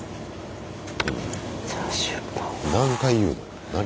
何回言うのよ何？